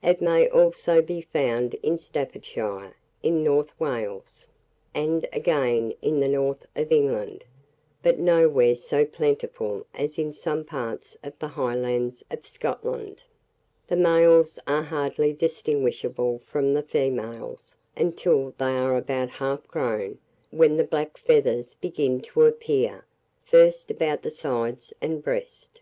It may also be found in Staffordshire, in North Wales, and again in the north of England; but nowhere so plentiful as in some parts of the Highlands of Scotland. The males are hardly distinguishable from the females until they are about half grown, when the black feathers begin to appear, first about the sides and breast.